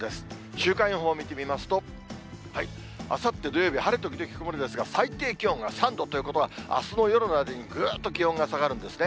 週間予報見てみますと、あさって土曜日、晴れ時々曇りですが、最低気温が３度ということは、あすの夜の間にぐっと気温が下がるんですね。